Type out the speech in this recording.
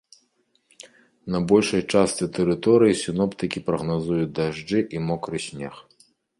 На большай частцы тэрыторыі сіноптыкі прагназуюць дажджы і мокры снег.